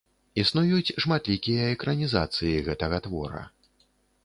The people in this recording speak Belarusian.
Існуюць шматлікія экранізацыі гэтага твора.